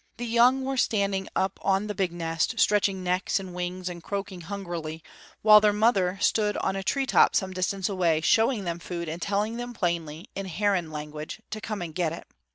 The young were standing up on the big nest, stretching necks and wings, and croaking hungrily; while the mother stood on a tree top some distance away, showing them food and telling them plainly, in heron language, to come and get it.